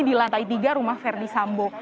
di lantai tiga rumah verdi sambo